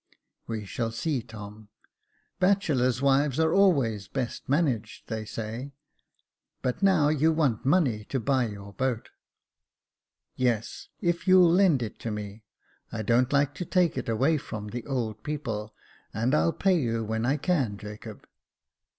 " We shall see, Tom. Bachelor's wives are always best managed, they say. But now you want money to buy your boat." Jacob Faithful 395 " Yes, if you'll lend it to me ; I don't like to take it away from the old people ; and I'll pay you when I can, Jacob."